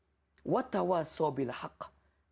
dan orang yang mau saling menasehati dalam kebenaran atau kebenaran